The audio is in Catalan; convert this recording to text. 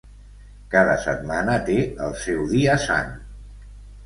Cada setmana té el seu dia sant.